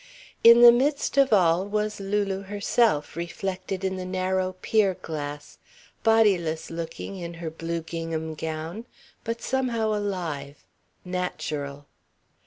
In the midst of all was Lulu herself reflected in the narrow pier glass, bodiless looking in her blue gingham gown, but somehow alive. Natural.